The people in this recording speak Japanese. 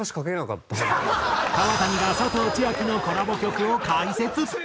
川谷が佐藤千亜妃のコラボ曲を解説。